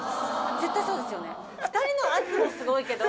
絶対そうですよね。